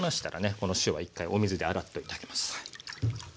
この塩は一回お水で洗っといてあげます。